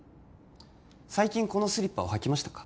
最近このスリッパを履きましたか？